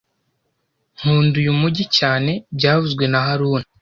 Nkunda uyu mujyi cyane byavuzwe na haruna